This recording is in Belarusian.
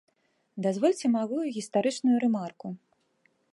Дазвольце малую гістарычную рэмарку.